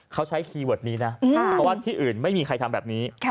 เขาใช้คีย์เวิร์ดนี้นะเพราะว่าที่อื่นไม่มีใครทำแบบนี้